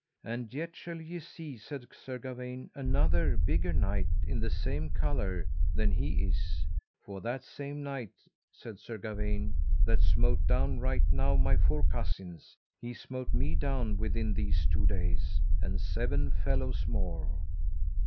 And yet shall ye see, said Sir Gawaine, another bigger knight, in the same colour, than he is; for that same knight, said Sir Gawaine, that smote down right now my four cousins, he smote me down within these two days, and seven fellows more.